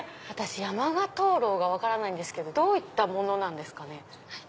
山鹿灯籠が分からないんですけどどういったものなんですかね？